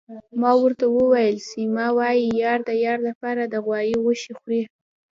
ما ورته وویل: سیمه، وايي یار د یار لپاره د غوايي غوښې خوري.